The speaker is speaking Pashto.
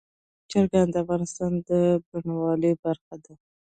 چرګان د افغانستان د بڼوالۍ برخه ده.